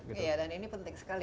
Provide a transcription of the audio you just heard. iya dan ini penting sekali